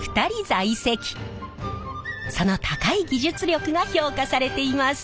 その高い技術力が評価されています。